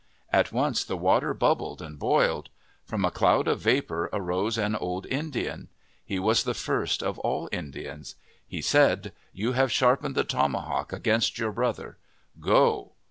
At once the water bubbled and boiled. From a cloud of vapor arose an old Indian. He was the first of all Indians. He said, "You have sharpened the tomahawk against your brother. Go.